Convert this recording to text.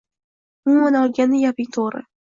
– Umuman olganda, gaping to‘g‘ri